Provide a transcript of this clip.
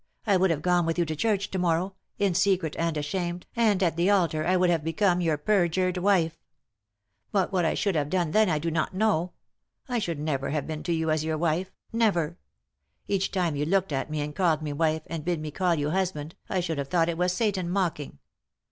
I would have gone with you to church to morrow ; in secret, and ashamed, and at the altar I would hare become your perjured wife. But what I should have done then I do not know I I should never hare been to you as your wife — never 1 Each time you looked at me and called me wife, and bid me call you husband, I should have thought it was Satan mocking.